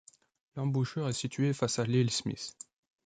L'embouchure est située face à l'île Smith.